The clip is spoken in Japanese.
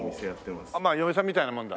まあ嫁さんみたいなもんだ。